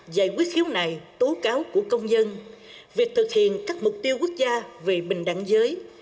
giải quyết khiếu nại tố cáo của công dân việc thực hiện các mục tiêu quốc gia về bình đẳng giới